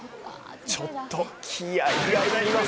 ちょっと気合いがいります。